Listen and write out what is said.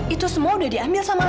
itu semua udah diambil sama mereka